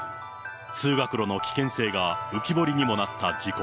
通学路の危険性が浮き彫りにもなった事故。